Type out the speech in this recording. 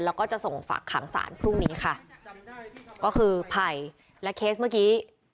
แล้วก็จะส่งฝากขังสารพรุ่งนี้ค่ะก็คือภัยและเคสเมื่อกี้